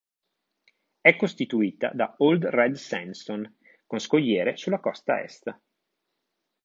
È costituita da Old Red Sandstone, con scogliere sulla costa est.